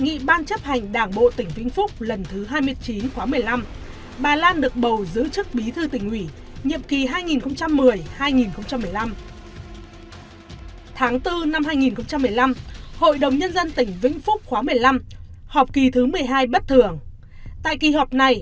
ngày ba mươi tháng một mươi năm hai nghìn hai mươi tại kỳ họp thứ một mươi tám hội đồng nhân dân tỉnh vĩnh phúc khóa một mươi sáu